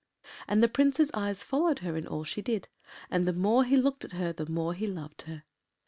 And the Prince’s eyes followed her in all she did, and the more he looked at her the more he loved her.